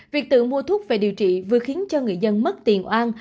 việc tự mua thuốc về điều trị vừa khiến cho người dân mất tiền oan